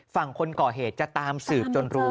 ฝั่งคนก่อเหตุจะตามสืบจนรู้